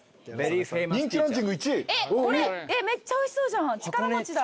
めっちゃおいしそうじゃん力もちだ。